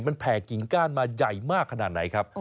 มันแผ่กิ่งก้านมาใหญ่มากขนาดไหนครับ